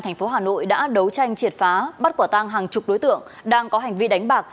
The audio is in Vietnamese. thành phố hà nội đã đấu tranh triệt phá bắt quả tang hàng chục đối tượng đang có hành vi đánh bạc